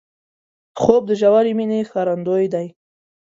خوب د ژورې مینې ښکارندوی دی